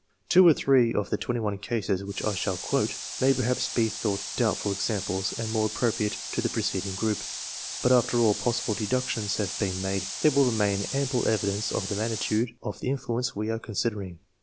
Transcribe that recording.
Two or three, of the 21 cases which I shall quote, may perhaps be thought doubtful examples and more appropriate to the preceding group ; but after all possible deductions have been made, there will remain ample evidence of the magnitude of the influence we are considering.